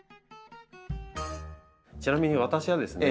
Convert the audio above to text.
ちなみに私はですね